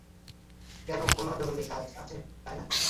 কোনো জরুরি কাজ আছে, তাই না?